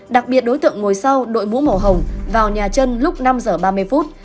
đặc biệt đối tượng ngồi sau đội mũ màu hồng vào nhà trân lúc năm h ba mươi phút